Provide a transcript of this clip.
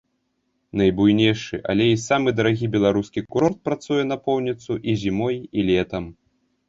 Найбуйнейшы, але і самы дарагі беларускі курорт працуе напоўніцу і зімой, і летам.